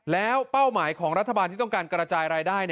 แล้วเป้าหมายของรัฐบาลที่ต้องการกระจายรายได้